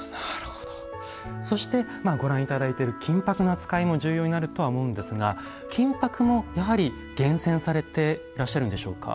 そしてご覧頂いている金箔の扱いも重要になるとは思うんですが金箔もやはり厳選されていらっしゃるんでしょうか？